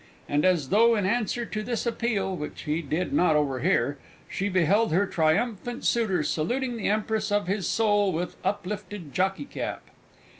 And, as though in answer to this appeal (which he did not overhear), she beheld her triumphant suitor saluting the empress of his soul with uplifted jockey cap.